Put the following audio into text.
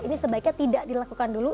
ini sebaiknya tidak dilakukan dulu